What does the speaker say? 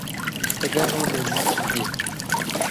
ئەگەنۆ نزیکی دێ